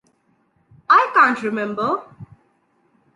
I can’t remember.